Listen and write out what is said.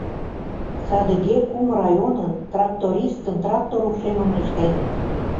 Садыге кум районын трактористын «трактор ушемым» ыштеныт.